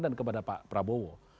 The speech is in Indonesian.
dan kepada pak prabowo